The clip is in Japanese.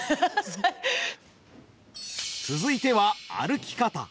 続いては歩き方。